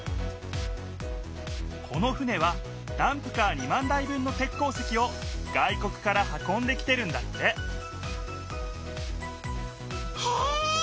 この船はダンプカー２万台分の鉄鉱石を外国から運んできてるんだってへえ！